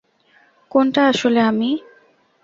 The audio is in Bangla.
কোনটা আসলে আমি?